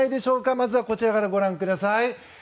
まずはこちらからご覧ください。